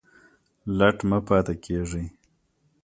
لټ مه پاته کیږئ